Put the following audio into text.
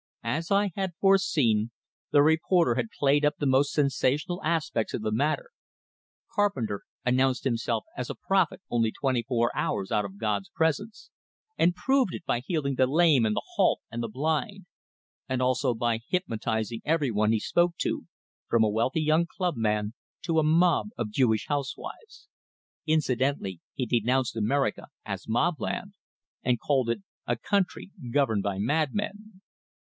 As I had foreseen, the reporter had played up the most sensational aspects of the matter: Carpenter announced himself as a prophet only twenty four hours out of God's presence, and proved it by healing the lame and the halt and the blind and also by hypnotising everyone he spoke to, from a wealthy young clubman to a mob of Jewish housewives. Incidentally he denounced America as "Mobland," and called it a country governed by madmen.